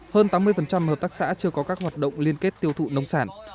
hơn tám mươi hợp tác xã chưa có các hoạt động liên kết tiêu thụ nông sản